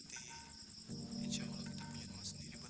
bapak minta kamu pulang